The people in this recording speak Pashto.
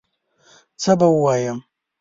څه به ووایم